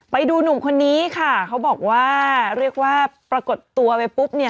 ไปดูหนุ่มคนนี้ค่ะเขาบอกว่าเรียกว่าปรากฏตัวไปปุ๊บเนี่ย